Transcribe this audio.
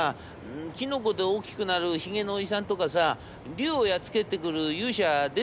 キノコで大きくなるひげのおじさんとかさ竜をやっつけてくる勇者は出てくるの？』。